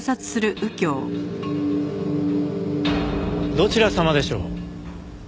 どちら様でしょう？